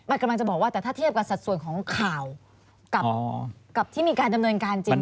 มันกำลังจะบอกว่าแต่ถ้าเทียบกับสัดส่วนของข่าวกับที่มีการดำเนินการจริง